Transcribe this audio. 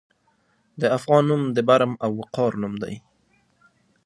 د افغان نوم د برم او وقار نوم دی.